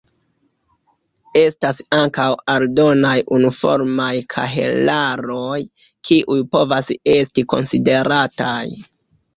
Estas ankaŭ aldonaj unuformaj kahelaroj, kiuj povas esti konsiderataj.